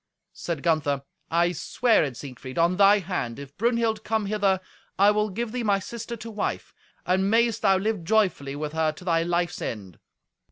Said Gunther, "I swear it, Siegfried, on thy hand. If Brunhild come hither, I will give thee my sister to wife; and mayest thou live joyfully with her to thy life's end."